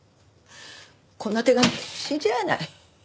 こんな手紙信じられない。